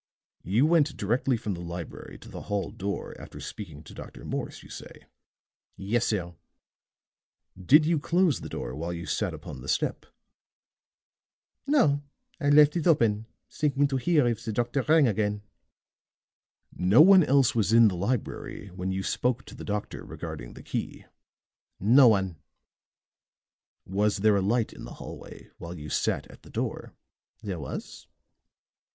"You went directly from the library to the hall door after speaking to Dr. Morse, you say?" "Yes, sir." "Did you close the door while you sat upon the step?" "No; I left it open, thinking to hear if the doctor rang again." "No one else was in the library when you spoke to the doctor regarding the key?" "No one." "Was there a light in the hallway while you sat at the door?" "There was."